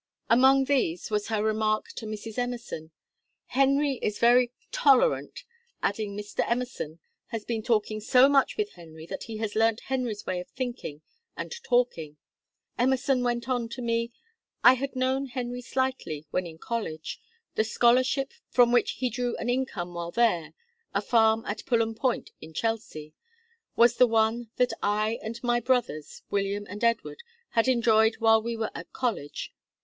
Among these was her remark to Mrs. Emerson, 'Henry is very tolerant'; adding 'Mr. Emerson has been talking so much with Henry that he has learnt Henry's way of thinking and talking.' Emerson went on to me: "'I had known Henry slightly when in college; the scholarship from which he drew an income while there (a farm at Pullen Point in Chelsea) was the one that I and my brothers, William and Edward, had enjoyed while we were at college.